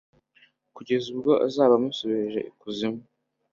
Kugeza ubwo azaba amusubije ikuzimu